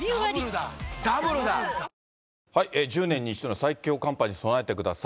１０年に一度の最強寒波に備えてください。